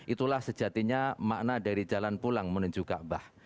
itulah sejatinya makna dari jalan pulang menuju ka'bah